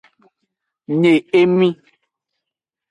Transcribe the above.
Nye emi.